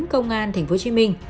công an tp hcm